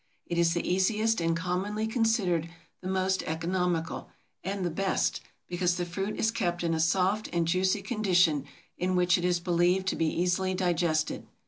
It is the easiest and commonly considered the most economical and the best, because the fruit is kept in a soft and juicy condition in which it is believed to be easily digested.